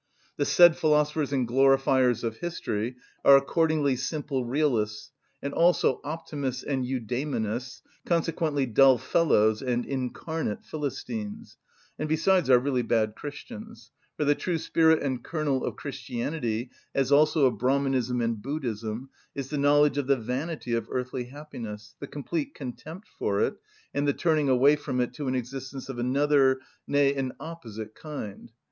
The said philosophers and glorifiers of history are accordingly simple realists, and also optimists and eudæmonists, consequently dull fellows and incarnate philistines; and besides are really bad Christians, for the true spirit and kernel of Christianity, as also of Brahmanism and Buddhism, is the knowledge of the vanity of earthly happiness, the complete contempt for it, and the turning away from it to an existence of another, nay, an opposite, kind.